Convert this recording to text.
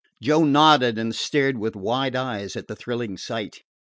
Joe nodded, and stared with wide eyes at the thrilling sight.